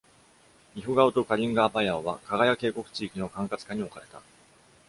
イフガオとカリンガ＝アパヤオはカガヤ渓谷地域の管轄下に置かれた。